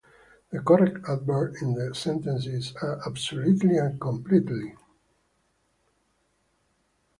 The correct adverbs in the sentences are "absolutely" and "completely."